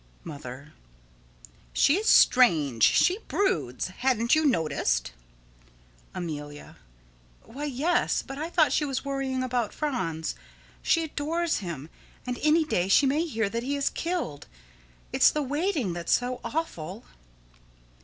Mother: She is strange; she broods. Hadn't you noticed? Amelia: Why, yes; but I thought she was worrying about Franz. She adores him, and any day she may hear that he is killed. It's the waiting that's so awful.